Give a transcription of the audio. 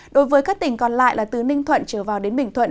đối với các tỉnh còn lại là từ ninh thuận trở vào đến bình thuận